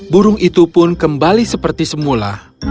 burung itu pun kembali seperti semula